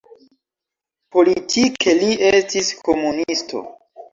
Politike li estis komunisto.